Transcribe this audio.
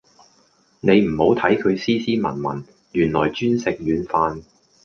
你唔好睇佢斯斯文文，原來專食軟飯